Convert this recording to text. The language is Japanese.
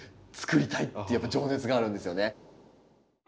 つくりたいっていうやっぱ情熱があるんですよね。